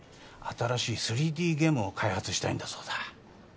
新しい３Ｄゲームを開発したいんだそうだ